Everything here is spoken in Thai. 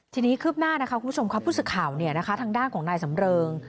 ที่นี่คลึบหน้านะครับคุณผู้ชมครับพูดสค่าวทางด้านของนายสำเริง